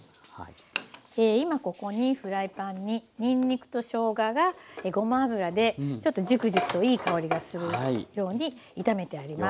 今ここにフライパンににんにくとしょうががごま油でちょっとジュクジュクといい香りがするように炒めてあります。